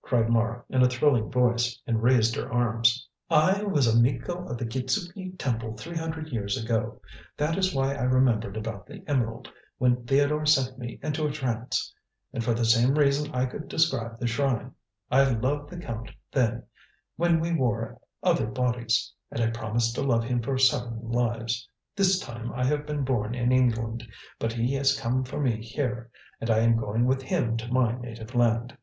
cried Mara in a thrilling voice, and raised her arms. "I was a Miko of the Kitzuki Temple three hundred years ago. That is why I remembered about the emerald, when Theodore sent me into a trance. And for the same reason I could describe the shrine. I loved the Count then, when we wore other bodies, and promised to love him for seven lives. This time I have been born in England, but he has come for me here, and I am going with him to my native land."